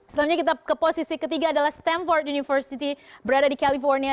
selanjutnya kita ke posisi ketiga adalah stemford university berada di california